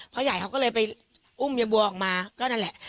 พ่อใหญ่เขาก็เลยไปอุ้มยายบัวออกมาก็นั่นแหละ